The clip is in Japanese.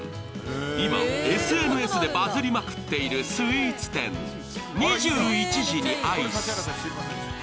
今、ＳＮＳでバズりまくっているスイーツ店、２１時にアイス。